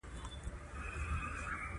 د اسلام د خاورې خدمت عین غزا ده.